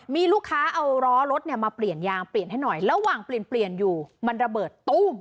มีลูกค้าเอาล้อรถเนี่ยมาเปลี่ยนยางเปลี่ยนให้หน่อยระหว่างเปลี่ยนเปลี่ยนอยู่มันระเบิดตุ้ม